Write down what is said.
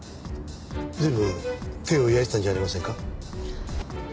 随分手を焼いてたんじゃありませんか？